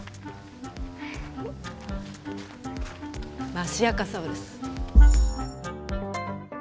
マシアカサウルス。